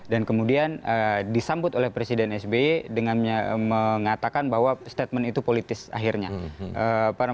dan kemudian disambut oleh presiden sby dengan mengatakan bahwa statement itu politis akhirnya